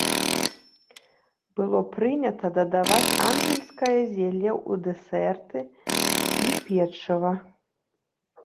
Было прынята дадаваць ангельскае зелле у дэсерты і печыва.